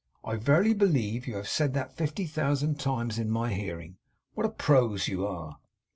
'I verily believe you have said that fifty thousand times, in my hearing. What a Prose you are!